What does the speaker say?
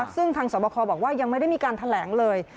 ซึ่งทางสวบคอบอกว่ายังไม่ได้มีการแถลงเลย